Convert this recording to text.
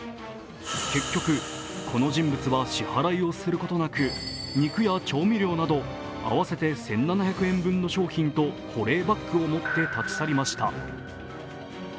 結局、この人物は支払いをすることなく肉や調味料など合わせて１７００円分の商品と保冷バッグを持って立ち去りました。